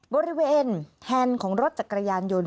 บริเวณแฮนด์ของรถจักรยานยนต์